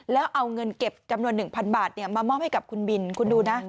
แล้วเอาเงินเก็บจำนวน๑๐๐บาทมามอบให้กับคุณบินคุณดูนะ